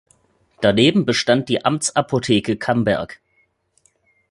Daneben bestand die Amtsapotheke Camberg.